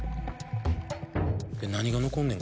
何が残んねん？